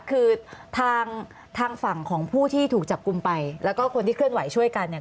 คือทางทางฝั่งของผู้ที่ถูกจับกลุ่มไปแล้วก็คนที่เคลื่อนไหวช่วยกันเนี่ย